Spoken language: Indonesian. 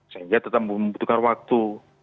sehingga tetap membutuhkan waktu